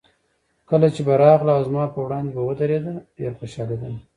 کله چې به راغله او زما په وړاندې به ودرېده، ډېر خوشحالېدم.